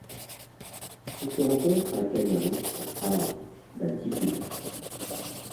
Elle se rencontre à Cañaris à d'altitude.